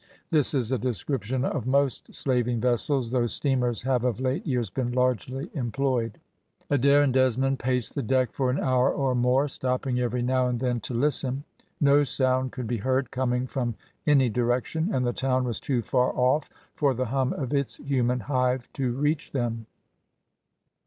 This is a description of most slaving vessels, though steamers have of late years been largely employed. Adair and Desmond paced the deck for an hour or more, stopping every now and then to listen. No sound could be heard coming from any direction, and the town was too far off for the hum of its human hive to reach them.